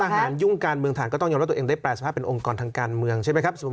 หารยุ่งการเมืองฐานก็ต้องยอมรับตัวเองได้แปรสภาพเป็นองค์กรทางการเมืองใช่ไหมครับ